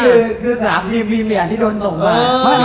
เฮ้ยซึ่งอ่ะเขาอาจจะไม่อยู่ในทศดีนี้ก็ได้นะ